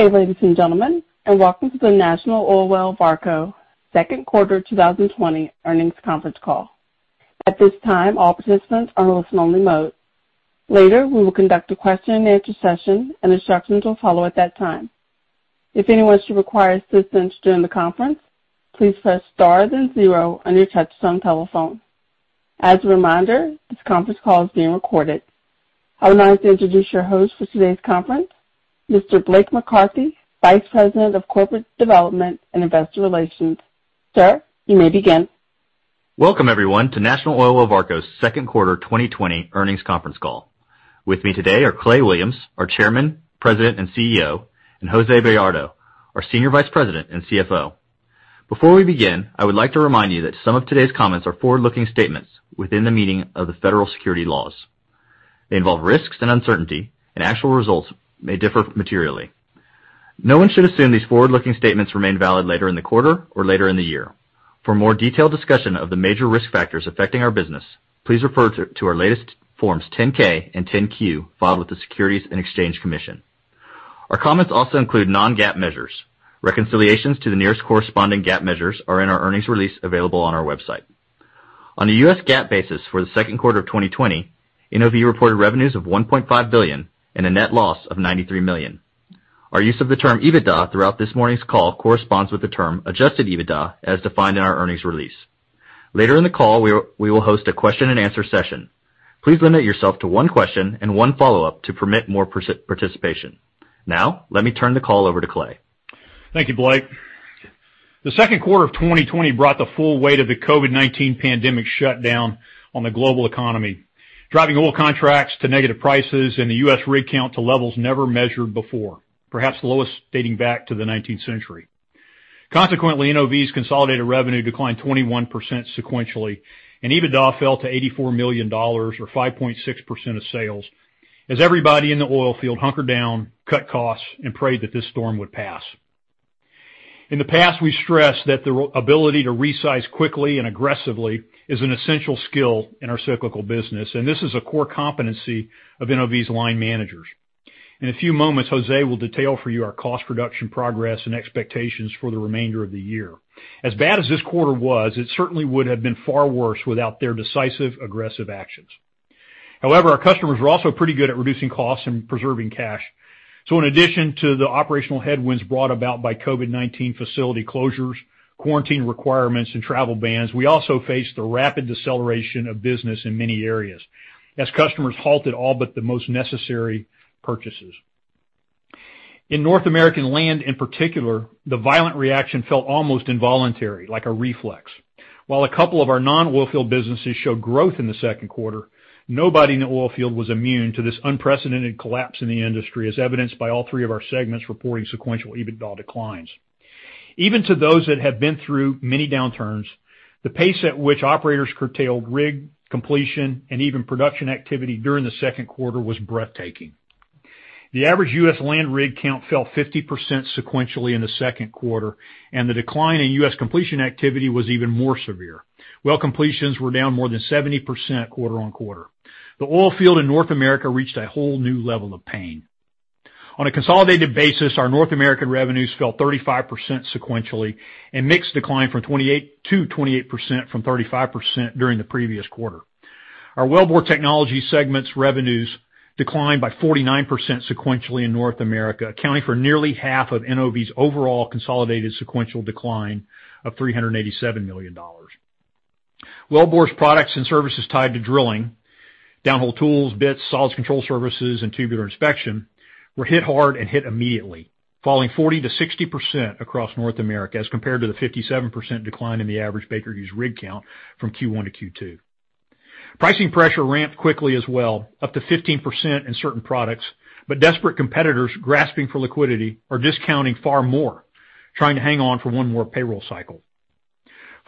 Good day, ladies and gentlemen, welcome to the National Oilwell Varco second quarter 2020 earnings conference call. At this time, all participants are on a listen-only mode. Later, we will conduct a question and answer session, and instructions will follow at that time. If anyone should require assistance during the conference, please press star then zero on your touchtone telephone. As a reminder, this conference call is being recorded. I would like to introduce your host for today's conference, Mr. Blake McCarthy, Vice President of Corporate Development and Investor Relations. Sir, you may begin. Welcome, everyone, to National Oilwell Varco's second quarter 2020 earnings conference call. With me today are Clay Williams, our Chairman, President, and CEO, and Jose Bayardo, our Senior Vice President and CFO. Before we begin, I would like to remind you that some of today's comments are forward-looking statements within the meaning of the federal securities laws. They involve risks and uncertainty, and actual results may differ materially. No one should assume these forward-looking statements remain valid later in the quarter or later in the year. For more detailed discussion of the major risk factors affecting our business, please refer to our latest Forms 10-K and 10-Q filed with the Securities and Exchange Commission. Our comments also include non-GAAP measures. Reconciliations to the nearest corresponding GAAP measures are in our earnings release available on our website. On a US GAAP basis for the second quarter of 2020, NOV reported revenues of $1.5 billion and a net loss of $93 million. Our use of the term EBITDA throughout this morning's call corresponds with the term adjusted EBITDA as defined in our earnings release. Later in the call, we will host a question and answer session. Please limit yourself to one question and one follow-up to permit more participation. Let me turn the call over to Clay. Thank you, Blake. The second quarter of 2020 brought the full weight of the COVID-19 pandemic shutdown on the global economy, driving oil contracts to negative prices and the U.S. rig count to levels never measured before, perhaps the lowest dating back to the 19th century. NOV's consolidated revenue declined 21% sequentially, EBITDA fell to $84 million, or 5.6% of sales, as everybody in the oilfield hunkered down, cut costs, and prayed that this storm would pass. In the past, we stressed that the ability to resize quickly and aggressively is an essential skill in our cyclical business. This is a core competency of NOV's line managers. In a few moments, Jose will detail for you our cost reduction progress and expectations for the remainder of the year. As bad as this quarter was, it certainly would have been far worse without their decisive, aggressive actions. However, our customers were also pretty good at reducing costs and preserving cash. In addition to the operational headwinds brought about by COVID-19 facility closures, quarantine requirements, and travel bans, we also faced the rapid deceleration of business in many areas as customers halted all but the most necessary purchases. In North American land in particular, the violent reaction felt almost involuntary, like a reflex. While a couple of our non-oilfield businesses showed growth in the second quarter, nobody in the oilfield was immune to this unprecedented collapse in the industry, as evidenced by all three of our segments reporting sequential EBITDA declines. Even to those that have been through many downturns, the pace at which operators curtailed rig completion and even production activity during the second quarter was breathtaking. The average U.S. land rig count fell 50% sequentially in the second quarter, and the decline in U.S. completion activity was even more severe. Well completions were down more than 70% quarter-on-quarter. The oilfield in North America reached a whole new level of pain. On a consolidated basis, our North American revenues fell 35% sequentially, and mix declined to 28% from 35% during the previous quarter. Our Wellbore Technologies segment's revenues declined by 49% sequentially in North America, accounting for nearly half of NOV's overall consolidated sequential decline of $387 million. Wellbore's products and services tied to drilling, downhole tools, bits, solids control services, and tubular inspection were hit hard and hit immediately, falling 40%-60% across North America as compared to the 57% decline in the average Baker Hughes rig count from Q1 to Q2. Pricing pressure ramped quickly as well, up to 15% in certain products. Desperate competitors grasping for liquidity are discounting far more, trying to hang on for one more payroll cycle.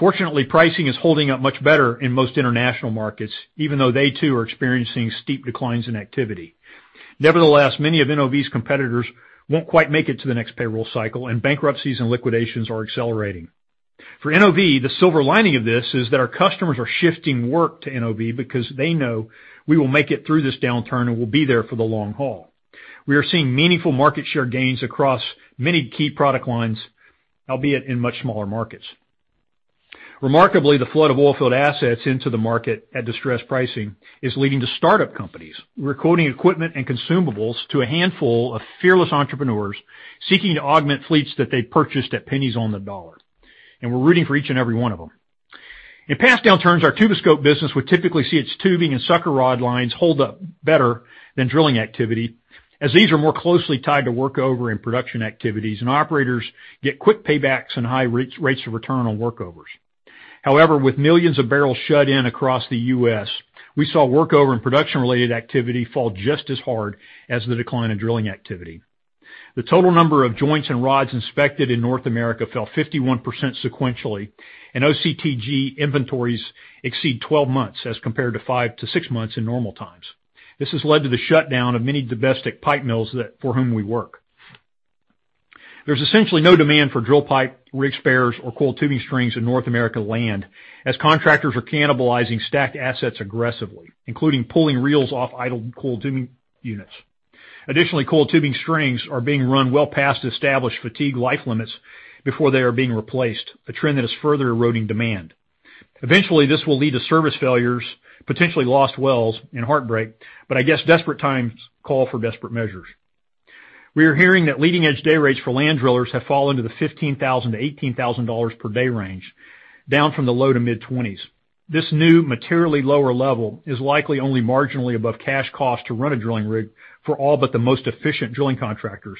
Fortunately, pricing is holding up much better in most international markets, even though they too are experiencing steep declines in activity. Many of NOV's competitors won't quite make it to the next payroll cycle, and bankruptcies and liquidations are accelerating. For NOV, the silver lining of this is that our customers are shifting work to NOV because they know we will make it through this downturn and we'll be there for the long haul. We are seeing meaningful market share gains across many key product lines, albeit in much smaller markets. Remarkably, the flood of oilfield assets into the market at distressed pricing is leading to startup companies recording equipment and consumables to a handful of fearless entrepreneurs seeking to augment fleets that they purchased at pennies on the dollar. We're rooting for each and every one of them. In past downturns, our Tuboscope business would typically see its tubing and sucker rod lines hold up better than drilling activity, as these are more closely tied to workover and production activities, and operators get quick paybacks and high rates of return on workovers. However, with millions of barrels shut in across the U.S., we saw workover and production-related activity fall just as hard as the decline in drilling activity. The total number of joints and rods inspected in North America fell 51% sequentially, and OCTG inventories exceed 12 months as compared to 5-6 months in normal times. This has led to the shutdown of many domestic pipe mills for whom we work. There's essentially no demand for drill pipe, rig spares, or coiled tubing strings in North America land, as contractors are cannibalizing stacked assets aggressively, including pulling reels off idled coiled tubing units. Additionally, coiled tubing strings are being run well past established fatigue life limits before they are being replaced, a trend that is further eroding demand. Eventually, this will lead to service failures, potentially lost wells, and heartbreak, but I guess desperate times call for desperate measures. We are hearing that leading-edge day rates for land drillers have fallen to the $15,000 to $18,000 per day range, down from the low to mid-20s. This new materially lower level is likely only marginally above cash cost to run a drilling rig for all but the most efficient drilling contractors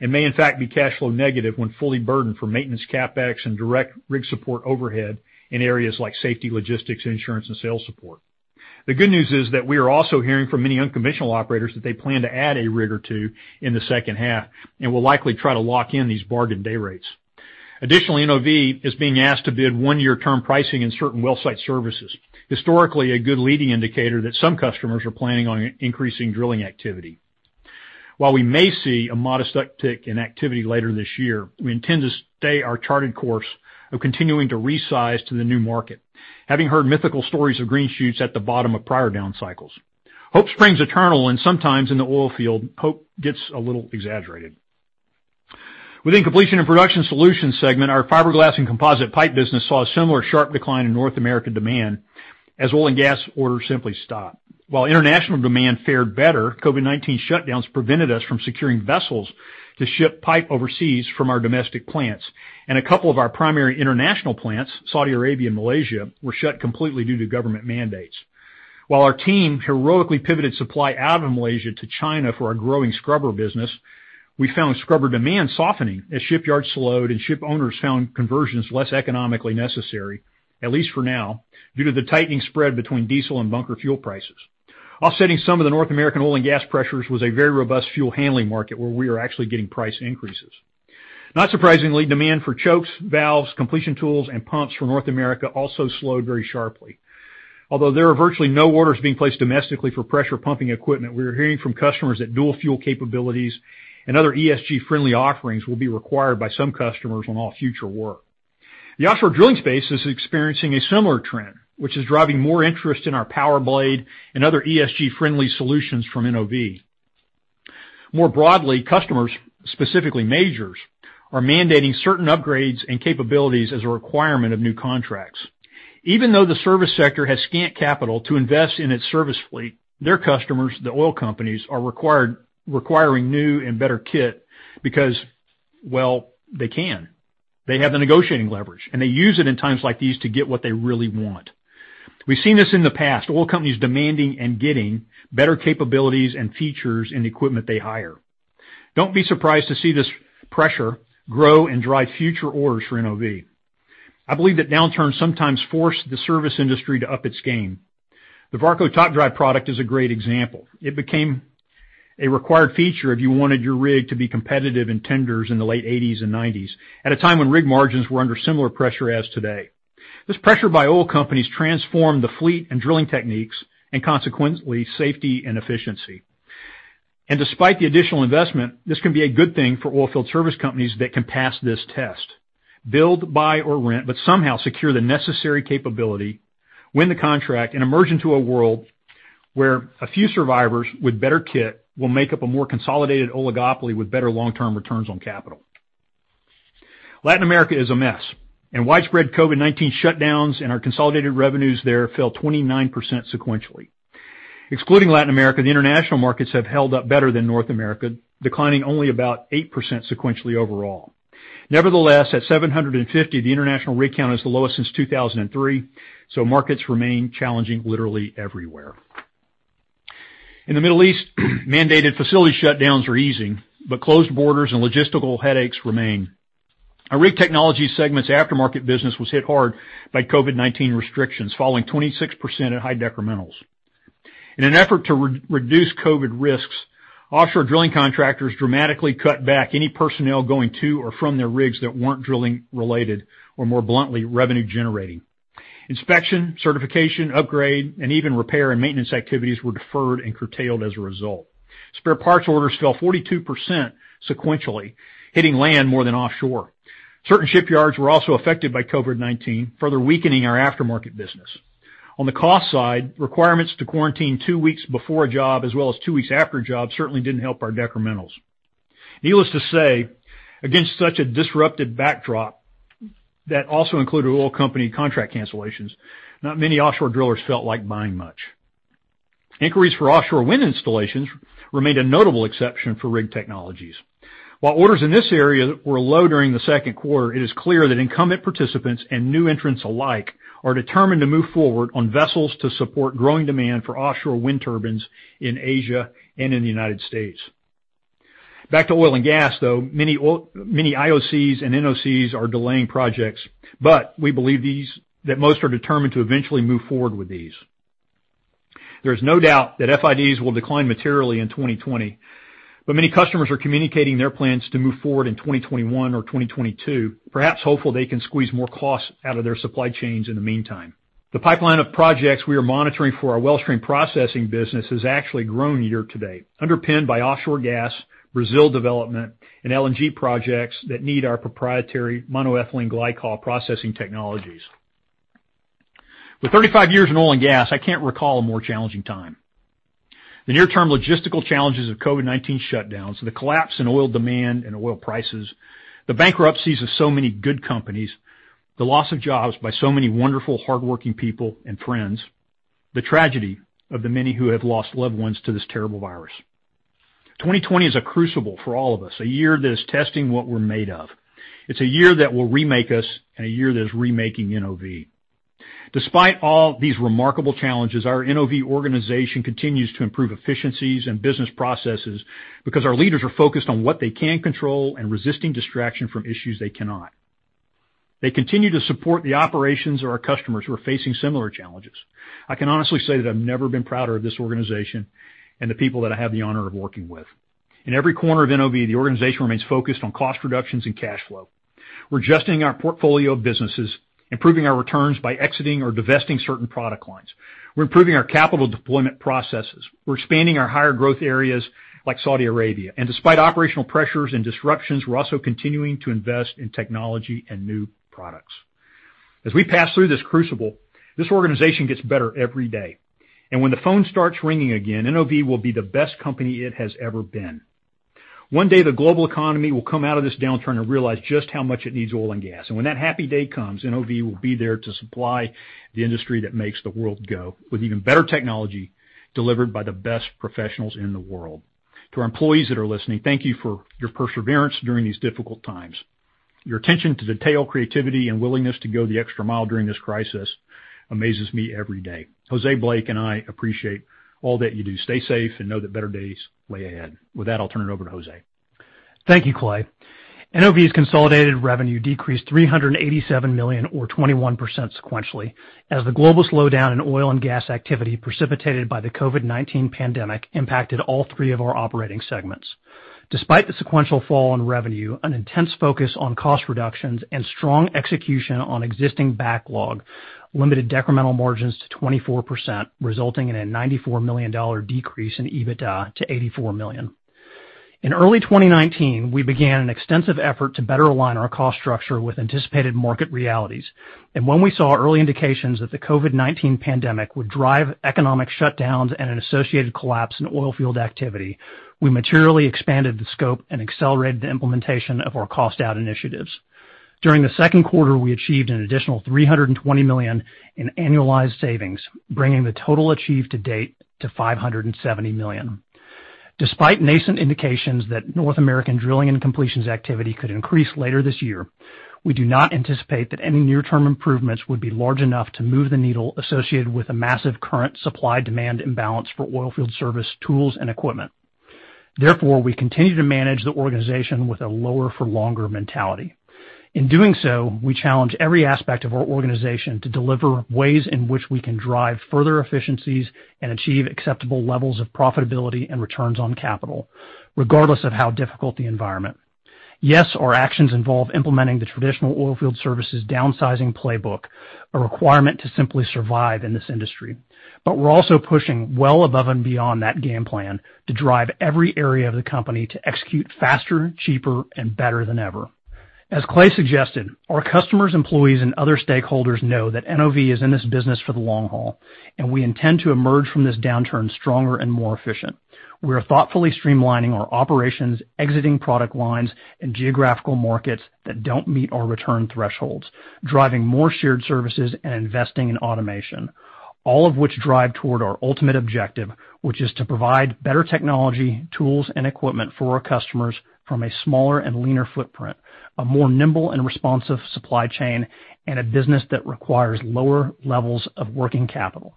and may in fact be cash flow negative when fully burdened for maintenance CapEx and direct rig support overhead in areas like safety, logistics, insurance, and sales support. The good news is that we are also hearing from many unconventional operators that they plan to add a rig or two in the second half and will likely try to lock in these bargain day rates. Additionally, NOV is being asked to bid one-year term pricing in certain WellSite Services. Historically, a good leading indicator that some customers are planning on increasing drilling activity. While we may see a modest uptick in activity later this year, we intend to stay our charted course of continuing to resize to the new market, having heard mythical stories of green shoots at the bottom of prior down cycles. Hope springs eternal, and sometimes in the oil field, hope gets a little exaggerated. Within Completion & Production Solutions segment, our fiberglass and composite pipe business saw a similar sharp decline in North American demand as oil and gas orders simply stopped. While international demand fared better, COVID-19 shutdowns prevented us from securing vessels to ship pipe overseas from our domestic plants. A couple of our primary international plants, Saudi Arabia and Malaysia, were shut completely due to government mandates. While our team heroically pivoted supply out of Malaysia to China for our growing scrubber business, we found scrubber demand softening as shipyards slowed and ship owners found conversions less economically necessary, at least for now, due to the tightening spread between diesel and bunker fuel prices. Offsetting some of the North American oil and gas pressures was a very robust fuel handling market, where we are actually getting price increases. Not surprisingly, demand for chokes, valves, completion tools, and pumps from North America also slowed very sharply. Although there are virtually no orders being placed domestically for pressure pumping equipment, we are hearing from customers that dual-fuel capabilities and other ESG-friendly offerings will be required by some customers on all future work. The offshore drilling space is experiencing a similar trend, which is driving more interest in our PowerBlade and other ESG-friendly solutions from NOV. More broadly, customers, specifically majors, are mandating certain upgrades and capabilities as a requirement of new contracts. Even though the service sector has scant capital to invest in its service fleet, their customers, the oil companies, are requiring new and better kit because, well, they can. They have the negotiating leverage, they use it in times like these to get what they really want. We've seen this in the past, oil companies demanding and getting better capabilities and features in the equipment they hire. Don't be surprised to see this pressure grow and drive future orders for NOV. I believe that downturns sometimes force the service industry to up its game. The Varco Top Drive product is a great example. It became a required feature if you wanted your rig to be competitive in tenders in the late '80s and '90s, at a time when rig margins were under similar pressure as today. This pressure by oil companies transformed the fleet and drilling techniques, consequently, safety and efficiency. Despite the additional investment, this can be a good thing for oil field service companies that can pass this test. Build, buy, or rent, but somehow secure the necessary capability, win the contract, and emerge into a world where a few survivors with better kit will make up a more consolidated oligopoly with better long-term returns on capital. Latin America is a mess. Widespread COVID-19 shutdowns and our consolidated revenues there fell 29% sequentially. Excluding Latin America, the international markets have held up better than North America, declining only about 8% sequentially overall. Nevertheless, at 750, the international rig count is the lowest since 2003. Markets remain challenging literally everywhere. In the Middle East, mandated facility shutdowns are easing. Closed borders and logistical headaches remain. Our Rig Technologies segment's aftermarket business was hit hard by COVID-19 restrictions, falling 26% at high decremental margins. In an effort to reduce COVID risks, offshore drilling contractors dramatically cut back any personnel going to or from their rigs that weren't drilling-related, or more bluntly, revenue generating. Inspection, certification, upgrade, and even repair and maintenance activities were deferred and curtailed as a result. Spare parts orders fell 42% sequentially, hitting land more than offshore. Certain shipyards were also affected by COVID-19, further weakening our aftermarket business. On the cost side, requirements to quarantine two weeks before a job as well as two weeks after a job certainly didn't help our decremental margins. Needless to say, against such a disrupted backdrop that also included oil company contract cancellations, not many offshore drillers felt like buying much. Inquiries for offshore wind installations remained a notable exception for Rig Technologies. While orders in this area were low during the second quarter, it is clear that incumbent participants and new entrants alike are determined to move forward on vessels to support growing demand for offshore wind turbines in Asia and in the U.S. Back to oil and gas, though, many IOCs and NOCs are delaying projects. We believe that most are determined to eventually move forward with these. There's no doubt that FIDs will decline materially in 2020. Many customers are communicating their plans to move forward in 2021 or 2022, perhaps hopeful they can squeeze more costs out of their supply chains in the meantime. The pipeline of projects we are monitoring for our wellstream processing business has actually grown year to date, underpinned by offshore gas, Brazil development, and LNG projects that need our proprietary monoethylene glycol processing technologies. With 35 years in oil and gas, I can't recall a more challenging time. The near-term logistical challenges of COVID-19 shutdowns, the collapse in oil demand and oil prices, the bankruptcies of so many good companies, the loss of jobs by so many wonderful, hardworking people and friends, the tragedy of the many who have lost loved ones to this terrible virus. 2020 is a crucible for all of us, a year that is testing what we're made of. It's a year that will remake us and a year that is remaking NOV. Despite all these remarkable challenges, our NOV organization continues to improve efficiencies and business processes because our leaders are focused on what they can control and resisting distraction from issues they cannot. They continue to support the operations of our customers who are facing similar challenges. I can honestly say that I've never been prouder of this organization and the people that I have the honor of working with. In every corner of NOV, the organization remains focused on cost reductions and cash flow. We're adjusting our portfolio of businesses, improving our returns by exiting or divesting certain product lines. We're improving our capital deployment processes. We're expanding our higher growth areas like Saudi Arabia. Despite operational pressures and disruptions, we're also continuing to invest in technology and new products. As we pass through this crucible, this organization gets better every day. When the phone starts ringing again, NOV will be the best company it has ever been. One day, the global economy will come out of this downturn and realize just how much it needs oil and gas. When that happy day comes, NOV will be there to supply the industry that makes the world go with even better technology delivered by the best professionals in the world. To our employees that are listening, thank you for your perseverance during these difficult times. Your attention to detail, creativity, and willingness to go the extra mile during this crisis amazes me every day. Jose, Blake, and I appreciate all that you do. Stay safe and know that better days lay ahead. With that, I'll turn it over to Jose. Thank you, Clay. NOV's consolidated revenue decreased $387 million or 21% sequentially as the global slowdown in oil and gas activity precipitated by the COVID-19 pandemic impacted all three of our operating segments. Despite the sequential fall in revenue, an intense focus on cost reductions and strong execution on existing backlog limited decremental margins to 24%, resulting in a $94 million decrease in EBITDA to $84 million. In early 2019, we began an extensive effort to better align our cost structure with anticipated market realities. When we saw early indications that the COVID-19 pandemic would drive economic shutdowns and an associated collapse in oil field activity, we materially expanded the scope and accelerated the implementation of our cost out initiatives. During the second quarter, we achieved an additional $320 million in annualized savings, bringing the total achieved to date to $570 million. Despite nascent indications that North American drilling and completions activity could increase later this year, we do not anticipate that any near-term improvements would be large enough to move the needle associated with a massive current supply-demand imbalance for oilfield service tools and equipment. We continue to manage the organization with a lower-for-longer mentality. In doing so, we challenge every aspect of our organization to deliver ways in which we can drive further efficiencies and achieve acceptable levels of profitability and returns on capital, regardless of how difficult the environment. Yes, our actions involve implementing the traditional oilfield services downsizing playbook, a requirement to simply survive in this industry. We are also pushing well above and beyond that game plan to drive every area of the company to execute faster, cheaper, and better than ever. As Clay suggested, our customers, employees, and other stakeholders know that NOV is in this business for the long haul, and we intend to emerge from this downturn stronger and more efficient. We are thoughtfully streamlining our operations, exiting product lines and geographical markets that don't meet our return thresholds, driving more shared services, and investing in automation. All of which drive toward our ultimate objective, which is to provide better technology, tools, and equipment for our customers from a smaller and leaner footprint, a more nimble and responsive supply chain, and a business that requires lower levels of working capital.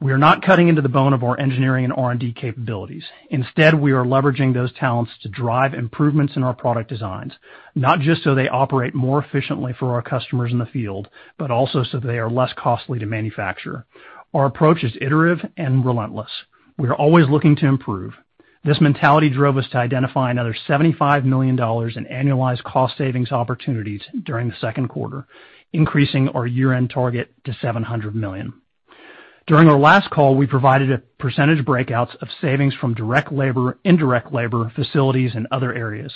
We are not cutting into the bone of our engineering and R&D capabilities. Instead, we are leveraging those talents to drive improvements in our product designs, not just so they operate more efficiently for our customers in the field, but also so they are less costly to manufacture. Our approach is iterative and relentless. We are always looking to improve. This mentality drove us to identify another $75 million in annualized cost savings opportunities during the second quarter, increasing our year-end target to $700 million. During our last call, we provided a percentage breakouts of savings from direct labor, indirect labor, facilities, and other areas.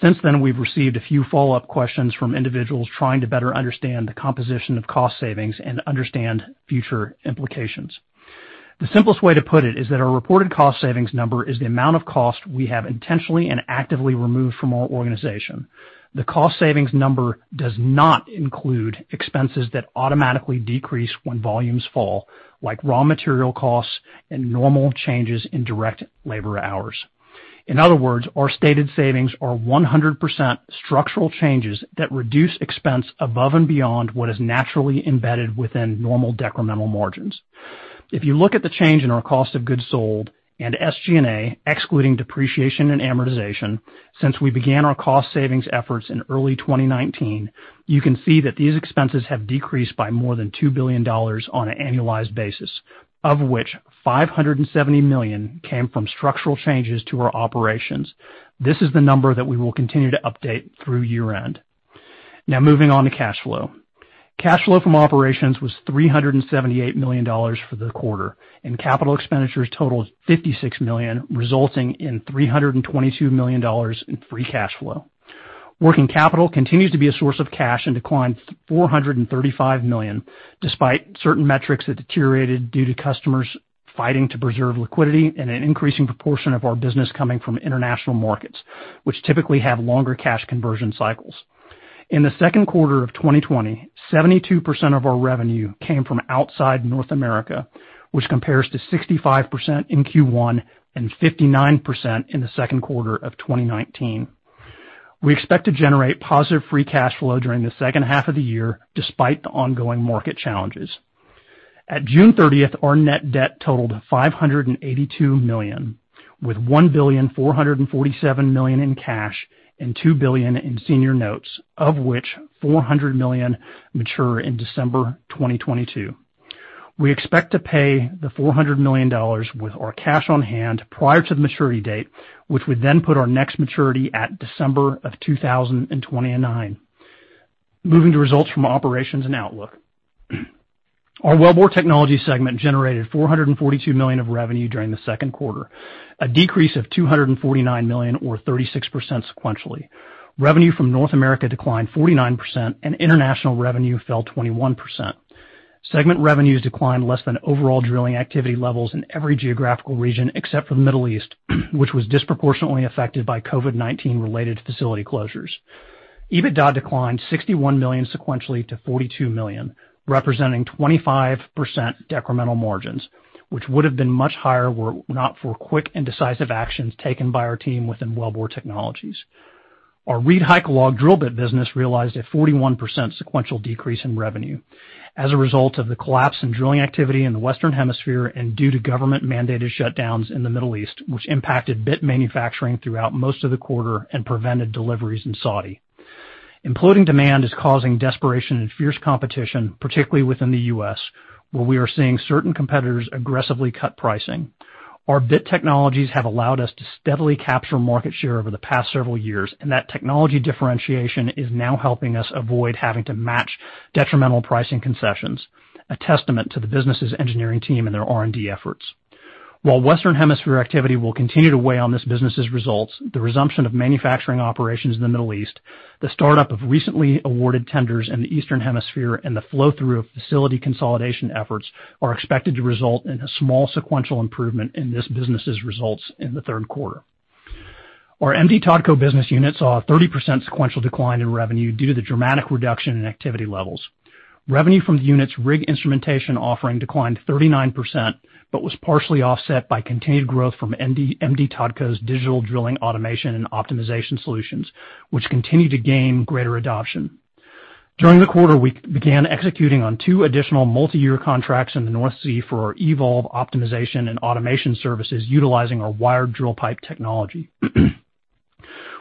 Since then, we've received a few follow-up questions from individuals trying to better understand the composition of cost savings and understand future implications. The simplest way to put it is that our reported cost savings number is the amount of cost we have intentionally and actively removed from our organization. The cost savings number does not include expenses that automatically decrease when volumes fall, like raw material costs and normal changes in direct labor hours. In other words, our stated savings are 100% structural changes that reduce expense above and beyond what is naturally embedded within normal decremental margins. If you look at the change in our cost of goods sold and SG&A, excluding depreciation and amortization, since we began our cost savings efforts in early 2019, you can see that these expenses have decreased by more than $2 billion on an annualized basis, of which $570 million came from structural changes to our operations. This is the number that we will continue to update through year-end. Moving on to cash flow. Cash flow from operations was $378 million for the quarter, and capital expenditures totaled $56 million, resulting in $322 million in free cash flow. Working capital continues to be a source of cash and declined to $435 million, despite certain metrics that deteriorated due to customers fighting to preserve liquidity and an increasing proportion of our business coming from international markets, which typically have longer cash conversion cycles. In the second quarter of 2020, 72% of our revenue came from outside North America, which compares to 65% in Q1 and 59% in the second quarter of 2019. We expect to generate positive free cash flow during the second half of the year, despite the ongoing market challenges. At June 30th, our net debt totaled $582 million, with $1,447,000,000 in cash and $2 billion in senior notes, of which $400 million mature in December 2022. We expect to pay the $400 million with our cash on hand prior to the maturity date, which would then put our next maturity at December of 2029. Moving to results from operations and outlook. Our Wellbore Technologies segment generated $442 million of revenue during the second quarter, a decrease of $249 million or 36% sequentially. Revenue from North America declined 49%, and international revenue fell 21%. Segment revenues declined less than overall drilling activity levels in every geographical region except for the Middle East, which was disproportionately affected by COVID-19 related facility closures. EBITDA declined $61 million sequentially to $42 million, representing 25% decremental margins, which would have been much higher were not for quick and decisive actions taken by our team within Wellbore Technologies. Our ReedHycalog drill bit business realized a 41% sequential decrease in revenue as a result of the collapse in drilling activity in the Western Hemisphere and due to government-mandated shutdowns in the Middle East, which impacted bit manufacturing throughout most of the quarter and prevented deliveries in Saudi. Imploding demand is causing desperation and fierce competition, particularly within the U.S., where we are seeing certain competitors aggressively cut pricing. Our bit technologies have allowed us to steadily capture market share over the past several years, and that technology differentiation is now helping us avoid having to match detrimental pricing concessions, a testament to the business' engineering team and their R&D efforts. While Western Hemisphere activity will continue to weigh on this business' results, the resumption of manufacturing operations in the Middle East, the startup of recently awarded tenders in the Eastern Hemisphere, and the flow-through of facility consolidation efforts are expected to result in a small sequential improvement in this business' results in the third quarter. Our M/D Totco business unit saw a 30% sequential decline in revenue due to the dramatic reduction in activity levels. Revenue from the unit's rig instrumentation offering declined 39%, was partially offset by continued growth from M/D Totco's digital drilling automation and optimization solutions, which continue to gain greater adoption. During the quarter, we began executing on two additional multi-year contracts in the North Sea for our eVolve optimization and automation services utilizing our Wired Drill Pipe technology.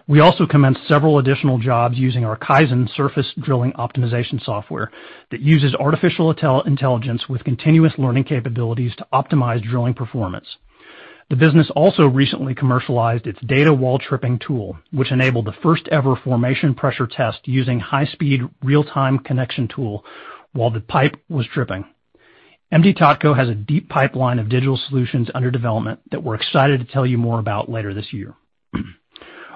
We also commenced several additional jobs using our KAIZEN surface drilling optimization software that uses artificial intelligence with continuous learning capabilities to optimize drilling performance. The business also recently commercialized its Data While Tripping tool, which enabled the first-ever formation pressure test using high-speed real-time connection tool while the pipe was tripping. M/D Totco has a deep pipeline of digital solutions under development that we're excited to tell you more about later this year.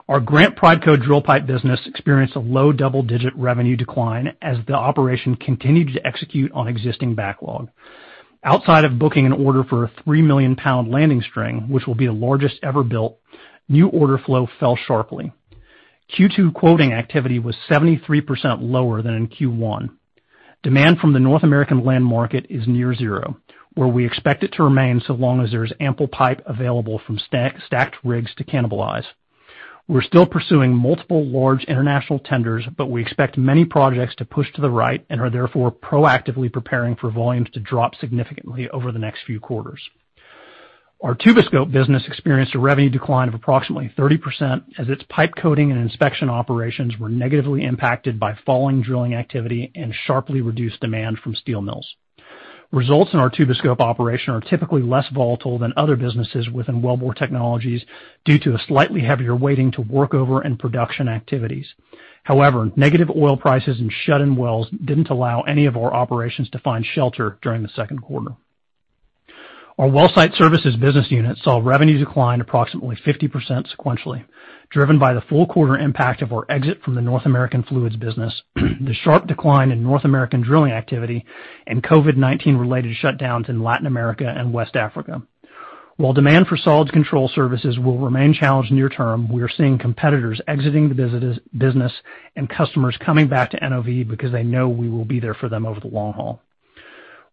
Our Grant Prideco drill pipe business experienced a low double-digit revenue decline as the operation continued to execute on existing backlog. Outside of booking an order for a three-million-pound landing string, which will be the largest ever built, new order flow fell sharply. Q2 quoting activity was 73% lower than in Q1. Demand from the North American land market is near zero, where we expect it to remain so long as there is ample pipe available from stacked rigs to cannibalize. We're still pursuing multiple large international tenders, but we expect many projects to push to the right and are therefore proactively preparing for volumes to drop significantly over the next few quarters. Our Tuboscope business experienced a revenue decline of approximately 30% as its pipe coating and inspection operations were negatively impacted by falling drilling activity and sharply reduced demand from steel mills. Results in our Tuboscope operation are typically less volatile than other businesses within Wellbore Technologies due to a slightly heavier weighting to work over and production activities. However, negative oil prices and shut-in wells didn't allow any of our operations to find shelter during the second quarter. Our WellSite Services business unit saw revenue decline approximately 50% sequentially, driven by the full quarter impact of our exit from the North American fluids business, the sharp decline in North American drilling activity, and COVID-19-related shutdowns in Latin America and West Africa. While demand for solids control services will remain challenged near term, we are seeing competitors exiting the business and customers coming back to NOV because they know we will be there for them over the long haul.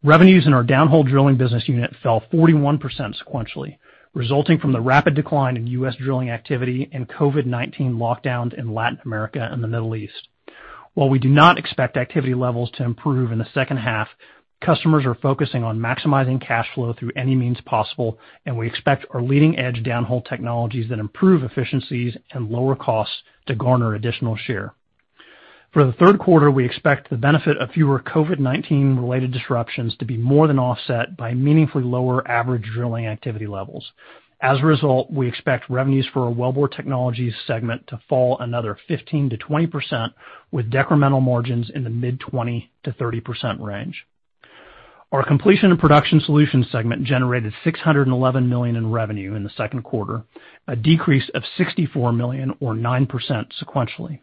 Revenues in our downhole drilling business unit fell 41% sequentially, resulting from the rapid decline in U.S. drilling activity and COVID-19 lockdowns in Latin America and the Middle East. While we do not expect activity levels to improve in the second half, customers are focusing on maximizing cash flow through any means possible, and we expect our leading-edge downhole technologies that improve efficiencies and lower costs to garner additional share. For the third quarter, we expect the benefit of fewer COVID-19-related disruptions to be more than offset by meaningfully lower average drilling activity levels. As a result, we expect revenues for our Wellbore Technologies segment to fall another 15%-20%, with decremental margins in the mid-20%-30% range. Our Completion & Production Solutions segment generated $611 million in revenue in the second quarter, a decrease of $64 million or 9% sequentially.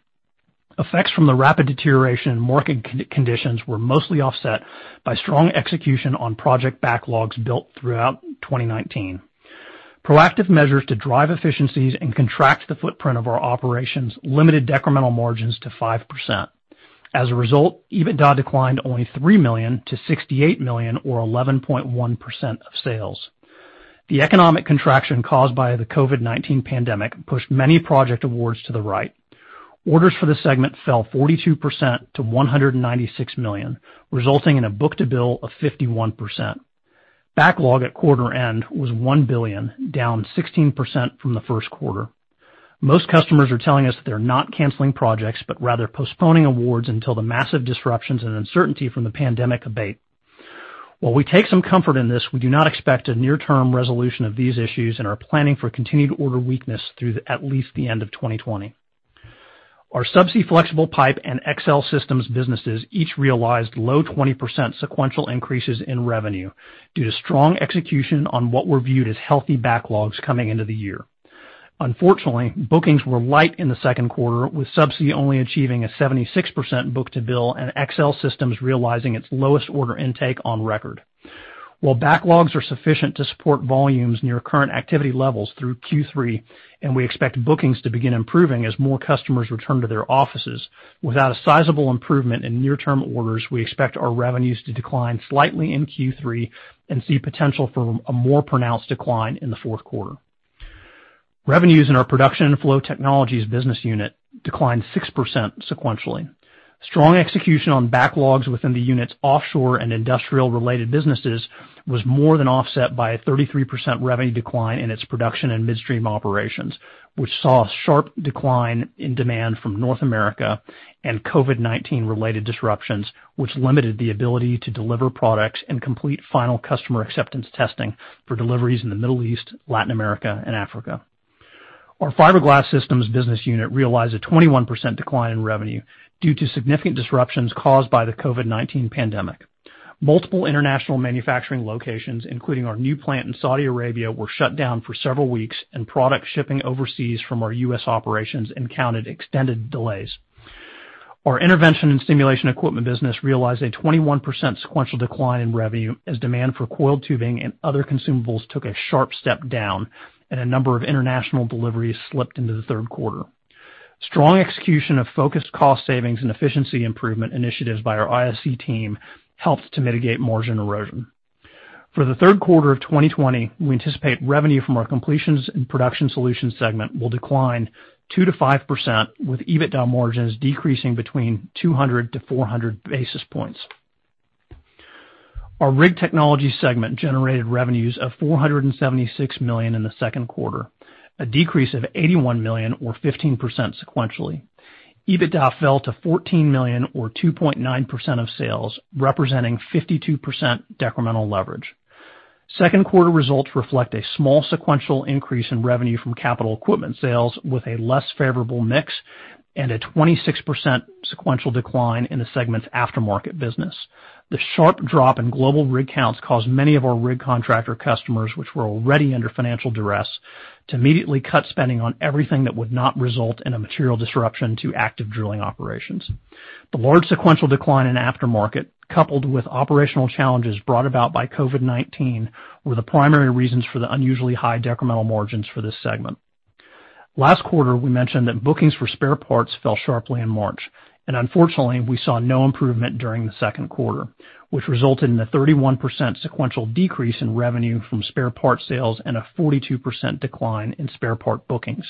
Effects from the rapid deterioration in market conditions were mostly offset by strong execution on project backlogs built throughout 2019. Proactive measures to drive efficiencies and contract the footprint of our operations limited decremental margins to 5%. As a result, EBITDA declined only $3 million to $68 million or 11.1% of sales. The economic contraction caused by the COVID-19 pandemic pushed many project awards to the right. Orders for the segment fell 42% to $196 million, resulting in a book-to-bill of 51%. Backlog at quarter end was $1 billion, down 16% from the first quarter. Most customers are telling us that they're not canceling projects, but rather postponing awards until the massive disruptions and uncertainty from the pandemic abate. While we take some comfort in this, we do not expect a near-term resolution of these issues and are planning for continued order weakness through at least the end of 2020. Our Subsea Flexible Pipe and XL Systems businesses each realized low 20% sequential increases in revenue due to strong execution on what were viewed as healthy backlogs coming into the year. Unfortunately, bookings were light in the second quarter, with Subsea only achieving a 76% book-to-bill and XL Systems realizing its lowest order intake on record. While backlogs are sufficient to support volumes near current activity levels through Q3, we expect bookings to begin improving as more customers return to their offices, without a sizable improvement in near-term orders, we expect our revenues to decline slightly in Q3 and see potential for a more pronounced decline in the fourth quarter. Revenues in our Process and Flow Technologies business unit declined 6% sequentially. Strong execution on backlogs within the unit's offshore and industrial-related businesses was more than offset by a 33% revenue decline in its production and midstream operations, which saw a sharp decline in demand from North America and COVID-19-related disruptions, which limited the ability to deliver products and complete final customer acceptance testing for deliveries in the Middle East, Latin America, and Africa. Our Fiber Glass Systems business unit realized a 21% decline in revenue due to significant disruptions caused by the COVID-19 pandemic. Multiple international manufacturing locations, including our new plant in Saudi Arabia, were shut down for several weeks and product shipping overseas from our U.S. operations encountered extended delays. Our Intervention and Stimulation Equipment business realized a 21% sequential decline in revenue as demand for coiled tubing and other consumables took a sharp step down and a number of international deliveries slipped into the third quarter. Strong execution of focused cost savings and efficiency improvement initiatives by our ISE team helped to mitigate margin erosion. For the third quarter of 2020, we anticipate revenue from our Completion & Production Solutions segment will decline 2%-5%, with EBITDA margins decreasing between 200 to 400 basis points. Our Rig Technologies segment generated revenues of $476 million in the second quarter, a decrease of $81 million or 15% sequentially. EBITDA fell to $14 million or 2.9% of sales, representing 52% decremental leverage. Second quarter results reflect a small sequential increase in revenue from capital equipment sales with a less favorable mix and a 26% sequential decline in the segment's aftermarket business. The sharp drop in global rig counts caused many of our rig contractor customers, which were already under financial duress, to immediately cut spending on everything that would not result in a material disruption to active drilling operations. The large sequential decline in aftermarket, coupled with operational challenges brought about by COVID-19, were the primary reasons for the unusually high decremental margins for this segment. Last quarter, we mentioned that bookings for spare parts fell sharply in March. Unfortunately, we saw no improvement during the second quarter, which resulted in a 31% sequential decrease in revenue from spare part sales and a 42% decline in spare part bookings.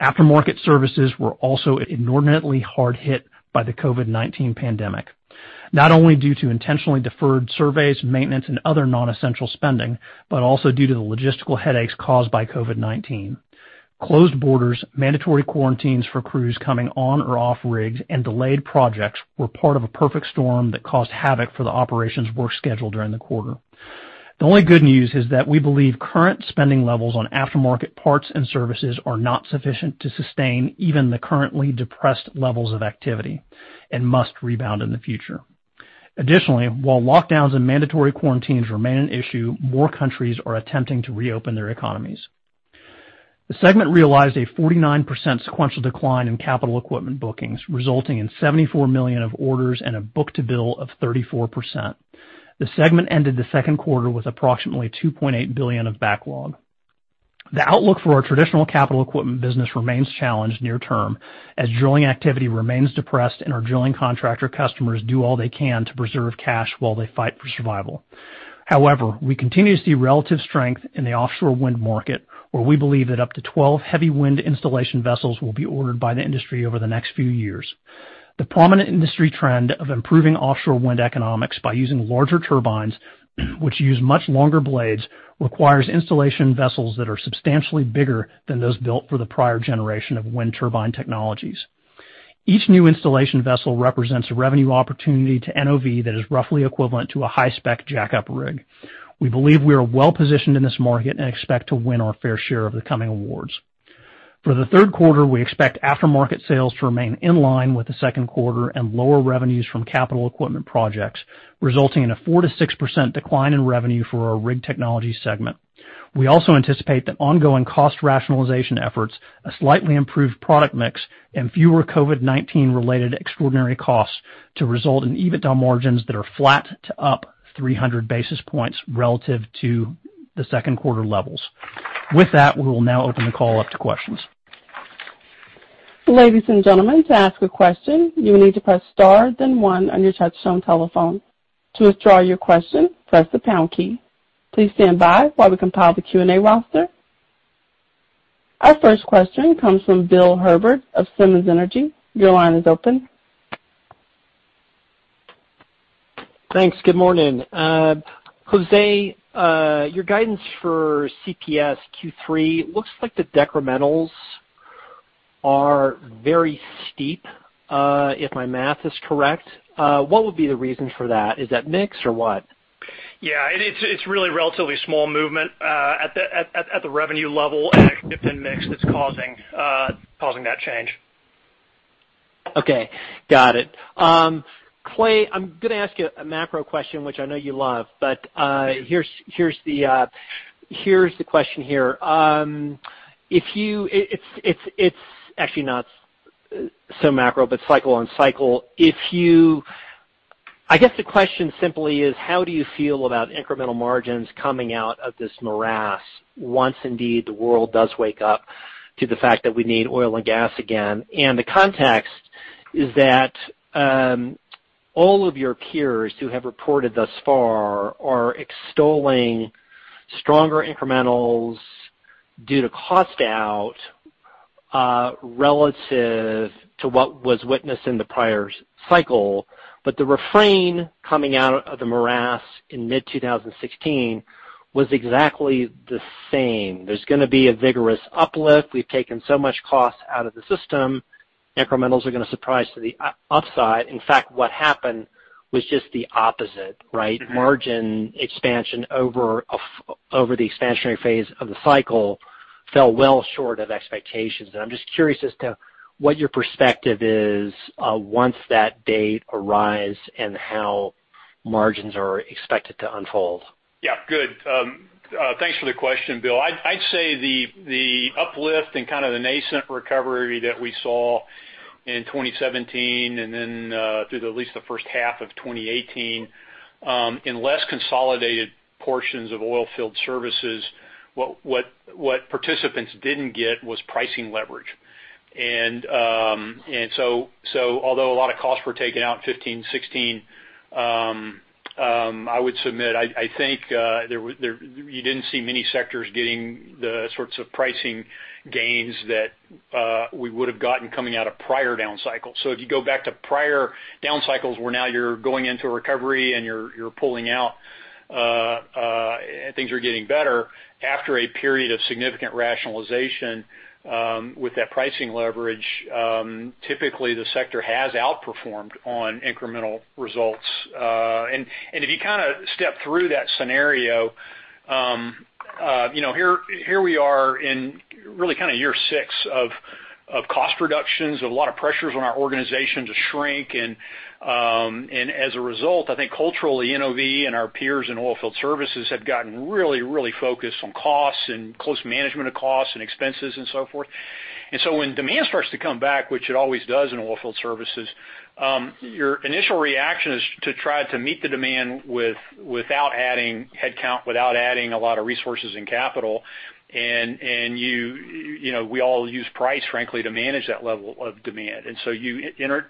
Aftermarket services were also inordinately hard hit by the COVID-19 pandemic, not only due to intentionally deferred surveys, maintenance, and other non-essential spending, but also due to the logistical headaches caused by COVID-19. Closed borders, mandatory quarantines for crews coming on or off rigs, and delayed projects were part of a perfect storm that caused havoc for the operations work schedule during the quarter. The only good news is that we believe current spending levels on aftermarket parts and services are not sufficient to sustain even the currently depressed levels of activity and must rebound in the future. Additionally, while lockdowns and mandatory quarantines remain an issue, more countries are attempting to reopen their economies. The segment realized a 49% sequential decline in capital equipment bookings, resulting in $74 million of orders and a book-to-bill of 34%. The segment ended the second quarter with approximately $2.8 billion of backlog. The outlook for our traditional capital equipment business remains challenged near term as drilling activity remains depressed and our drilling contractor customers do all they can to preserve cash while they fight for survival. We continue to see relative strength in the offshore wind market, where we believe that up to 12 heavy wind installation vessels will be ordered by the industry over the next few years. The prominent industry trend of improving offshore wind economics by using larger turbines, which use much longer blades, requires installation vessels that are substantially bigger than those built for the prior generation of wind turbine technologies. Each new installation vessel represents a revenue opportunity to NOV that is roughly equivalent to a high-spec jack-up rig. We believe we are well-positioned in this market and expect to win our fair share of the coming awards. For the third quarter, we expect aftermarket sales to remain in line with the second quarter and lower revenues from capital equipment projects, resulting in a 4%-6% decline in revenue for our Rig Technologies segment. We also anticipate that ongoing cost rationalization efforts, a slightly improved product mix, and fewer COVID-19 related extraordinary costs to result in EBITDA margins that are flat to up 300 basis points relative to the second quarter levels. With that, we will now open the call up to questions. Ladies and gentlemen, to ask a question, you need to press star, then one on your touchtone telephone. To withdraw your question, press the pound key. Please stand by while we compile the Q&A roster. Our first question comes from Bill Herbert of Simmons Energy. Your line is open. Thanks. Good morning. Jose, your guidance for CPS Q3 looks like the decrementals are very steep, if my math is correct. What would be the reason for that? Is that mix or what? Yeah. It's really relatively small movement at the revenue level and a shift in mix that's causing that change. Okay. Got it. Clay, I'm going to ask you a macro question, which I know you love, but here's the question here. It's actually not so macro, but cycle on cycle. I guess the question simply is how do you feel about incrementals coming out of this morass once indeed the world does wake up to the fact that we need oil and gas again? The context is that all of your peers who have reported thus far are extolling stronger incrementals due to cost out, relative to what was witnessed in the prior cycle. The refrain coming out of the morass in mid-2016 was exactly the same. There's gonna be a vigorous uplift. We've taken so much cost out of the system, incrementals are gonna surprise to the upside. In fact, what happened was just the opposite, right? Margin expansion over the expansionary phase of the cycle fell well short of expectations. I'm just curious as to what your perspective is once that date arrives and how margins are expected to unfold. Good. Thanks for the question, Bill Herbert. I'd say the uplift and kind of the nascent recovery that we saw in 2017 and then through at least the first half of 2018, in less consolidated portions of oilfield services, what participants didn't get was pricing leverage. Although a lot of costs were taken out in 2015, 2016, I would submit, you didn't see many sectors getting the sorts of pricing gains that we would've gotten coming out of prior down cycles. If you go back to prior down cycles where now you're going into a recovery and you're pulling out, things are getting better after a period of significant rationalization, with that pricing leverage, typically the sector has outperformed on incremental results. If you kind of step through that scenario, here we are in really kind of year six of cost reductions with a lot of pressures on our organization to shrink and, as a result, culturally, NOV and our peers in oilfield services have gotten really focused on costs and close management of costs and expenses and so forth. When demand starts to come back, which it always does in oilfield services, your initial reaction is to try to meet the demand without adding headcount, without adding a lot of resources and capital. We all use price, frankly, to manage that level of demand. You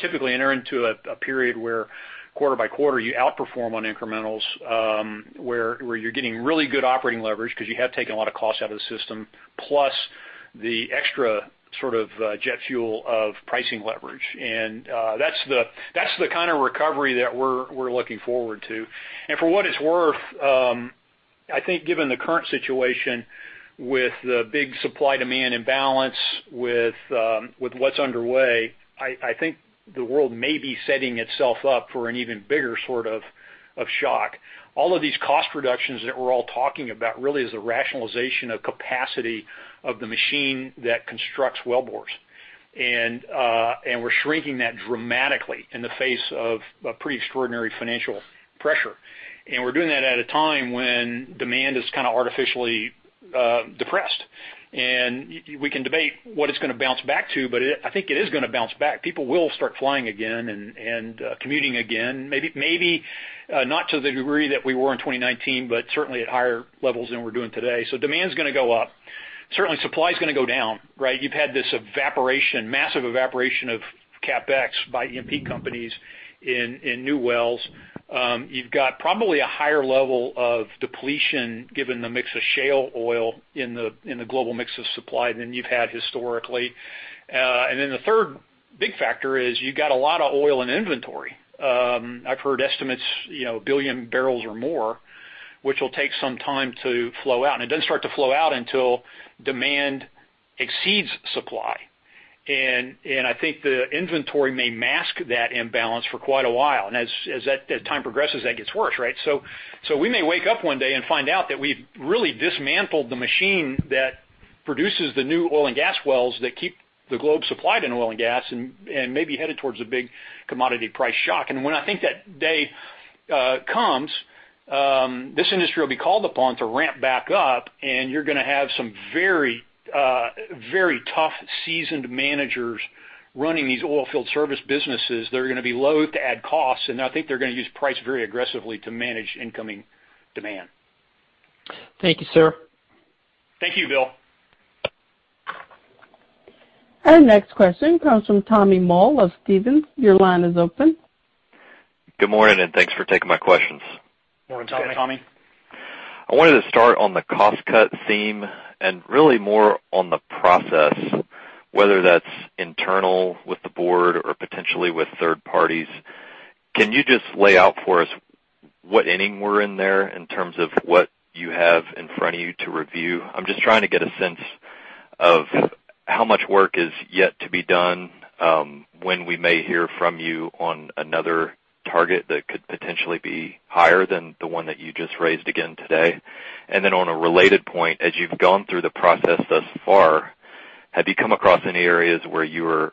typically enter into a period where quarter by quarter, you outperform on incrementals, where you're getting really good operating leverage because you have taken a lot of cost out of the system, plus the extra sort of jet fuel of pricing leverage. That's the kind of recovery that we're looking forward to. For what it's worth, given the current situation with the big supply-demand imbalance with what's underway, the world may be setting itself up for an even bigger sort of shock. All of these cost reductions that we're all talking about really is a rationalization of capacity of the machine that constructs wellbores. We're shrinking that dramatically in the face of a pretty extraordinary financial pressure. We're doing that at a time when demand is kind of artificially depressed. We can debate what it's gonna bounce back to, but it is gonna bounce back. People will start flying again and commuting again. Maybe not to the degree that we were in 2019, but certainly at higher levels than we're doing today. Demand's gonna go up. Certainly, supply's gonna go down, right? You've had this evaporation, massive evaporation of CapEx by E&P companies in new wells. You've got probably a higher level of depletion given the mix of shale oil in the global mix of supply than you've had historically. Then the third big factor is you've got a lot of oil in inventory. I've heard estimates, 1 billion barrels or more, which will take some time to flow out. It doesn't start to flow out until demand exceeds supply. The inventory may mask that imbalance for quite a while. As that time progresses, that gets worse, right? We may wake up one day and find out that we've really dismantled the machine that produces the new oil and gas wells that keep the globe supplied in oil and gas, and may be headed towards a big commodity price shock. When I think that day comes, this industry will be called upon to ramp back up, and you're going to have some very tough, seasoned managers running these oil field service businesses. They're going to be loathe to add costs, and I think they're going to use price very aggressively to manage incoming demand. Thank you, sir. Thank you, Bill. Our next question comes from Tommy Moll of Stephens. Your line is open. Good morning, thanks for taking my questions. Morning, Tommy. I wanted to start on the cost-cut theme and really more on the process, whether that's internal with the board or potentially with third parties. Can you just lay out for us what inning we're in there in terms of what you have in front of you to review? I'm just trying to get a sense of how much work is yet to be done, when we may hear from you on another target that could potentially be higher than the one that you just raised again today. On a related point, as you've gone through the process thus far, have you come across any areas where you were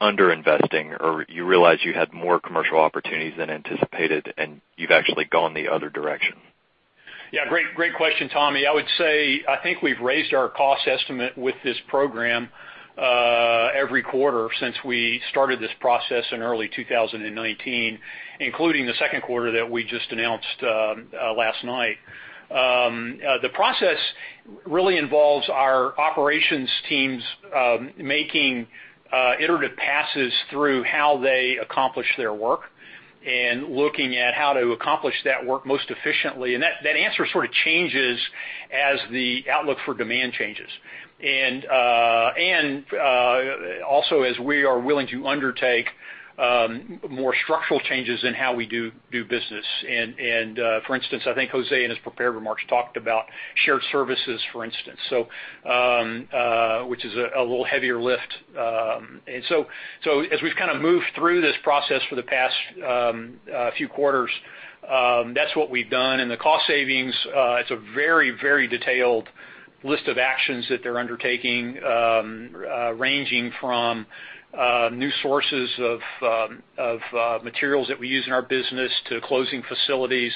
under-investing, or you realized you had more commercial opportunities than anticipated, and you've actually gone the other direction? Great question, Tommy. I would say, I think we've raised our cost estimate with this program every quarter since we started this process in early 2019, including the second quarter that we just announced last night. The process really involves our operations teams making iterative passes through how they accomplish their work and looking at how to accomplish that work most efficiently. That answer sort of changes as the outlook for demand changes. Also, as we are willing to undertake more structural changes in how we do business. For instance, I think Jose, in his prepared remarks, talked about shared services, for instance, which is a little heavier lift. So as we've kind of moved through this process for the past few quarters, that's what we've done. The cost savings, it's a very detailed list of actions that they're undertaking, ranging from new sources of materials that we use in our business to closing facilities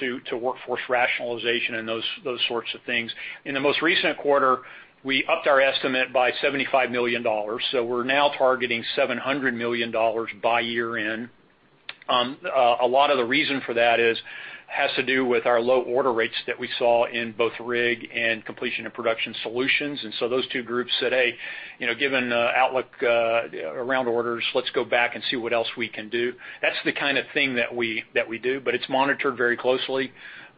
to workforce rationalization and those sorts of things. In the most recent quarter, we upped our estimate by $75 million. We're now targeting $700 million by year-end. A lot of the reason for that has to do with our low order rates that we saw in both Rig Technologies and Completion & Production Solutions. Those two groups said, "Hey, given the outlook around orders, let's go back and see what else we can do." That's the kind of thing that we do, but it's monitored very closely.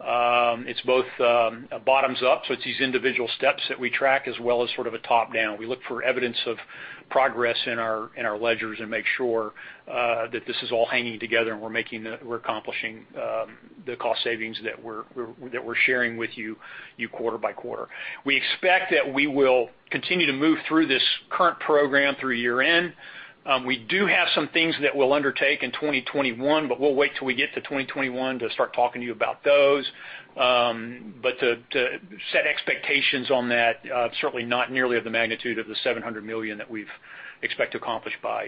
It's both bottoms up, so it's these individual steps that we track as well as sort of a top-down. We look for evidence of progress in our ledgers and make sure that this is all hanging together and we're accomplishing the cost savings that we're sharing with you quarter by quarter. We expect that we will continue to move through this current program through year-end. We do have some things that we'll undertake in 2021, but we'll wait till we get to 2021 to start talking to you about those. To set expectations on that, certainly not nearly of the magnitude of the $700 million that we expect to accomplish by